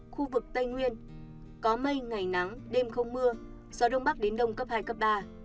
khu vực tây nguyên có mây ngày nắng đêm không mưa gió đông bắc đến đông cấp hai cấp ba